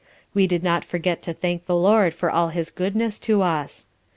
We did not forget to thank the LORD for all his goodness to us.